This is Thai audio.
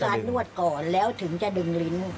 ต้องมีการนวดก่อนแล้วถึงจะดึงลิ้น